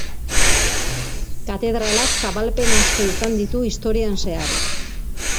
Katedralak zabalpen asko izan ditu historian zehar.